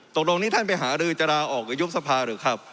ตกลงนี้ท่านไปหารือจะลาออกหรือยุบสภาหรือครับ